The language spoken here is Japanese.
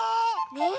ねえ！